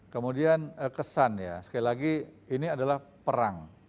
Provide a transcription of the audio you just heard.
kemudian kesan ya sekali lagi ini adalah perang